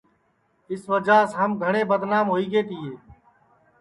اِس وجعہ سے ہم گھٹؔے بدنام ہوئی گئے تیے